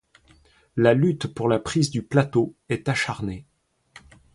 La lutte pour la prise du plateau est acharnée.